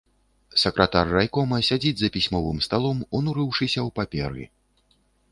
Сакратар райкома сядзіць за пісьмовым сталом, унурыўшыся ў паперы.